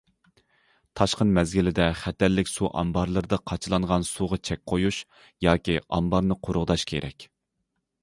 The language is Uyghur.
تاشقىن مەزگىلىدە خەتەرلىك سۇ ئامبارلىرىدا قاچىلانغان سۇغا چەك قويۇش ياكى ئامبارنى قۇرۇقداش كېرەك.